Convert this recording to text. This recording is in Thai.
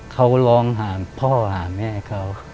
เขาร้องหาพ่อหาแม่เขา